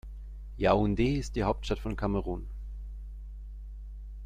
Yaoundé ist die Hauptstadt von Kamerun.